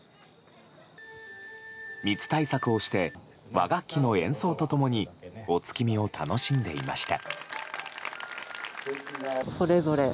密対策をして和楽器の演奏と共にお月見を楽しんでいました。